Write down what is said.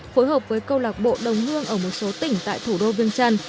phối hợp với câu lạc bộ đồng hương ở một số tỉnh tại thủ đô vương trang